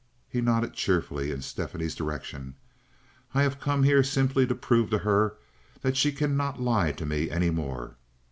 He nodded cheerfully in Stephanie's direction. "I have come here simply to prove to her that she cannot lie to me any more.